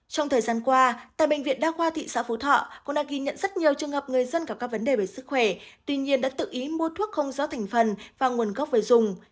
trong thời gian qua tại bệnh viện đa khoa thị xã phú thọ cũng đã ghi nhận rất nhiều trường hợp người dân gặp các vấn đề về sức khỏe tuy nhiên đã tự ý mua thuốc không rõ thành phần và nguồn gốc về dùng